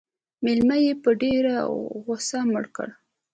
_مېلمه يې په ډېره غوښه مړ کړ.